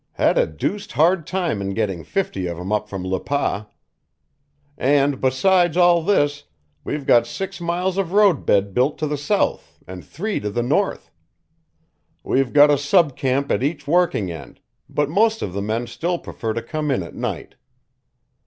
Had a deuced hard time in getting fifty of 'em up from Le Pas. And besides all this, we've got six miles of road bed built to the south and three to the north. We've got a sub camp at each working end, but most of the men still prefer to come in at night."